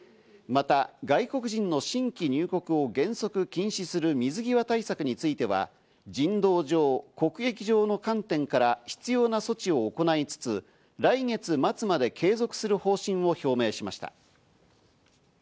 また、外国人の新規入国を原則禁止する水際対策については人道上、国益上の観点から必要な措置を行いつつ、来月末まで継続する方針を表明しました。